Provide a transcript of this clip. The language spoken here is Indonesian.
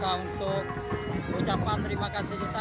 untuk ucapan terima kasih kita